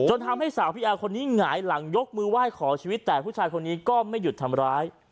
ทำให้สาวพี่แอร์คนนี้หงายหลังยกมือไหว้ขอชีวิตแต่ผู้ชายคนนี้ก็ไม่หยุดทำร้าย